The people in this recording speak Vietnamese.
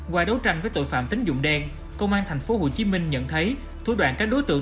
qua đấu tranh với tội phạm tính dụng đen công an tp hcm nhận thấy thủ đoạn các đối tượng